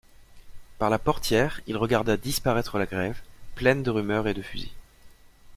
Par la portière il regarda disparaître la Grève, pleine de rumeurs et de fusils.